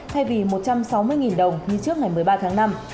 thay vì một trăm sáu mươi đồng như trước ngày một mươi ba tháng năm